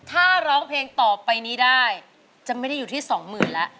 ถ้าร้องเพลงต่อไปนี้ได้จะไม่ได้อยู่ที่สองหมื่นแล้ว